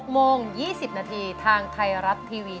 โมง๒๐นาทีทางไทยรัฐทีวี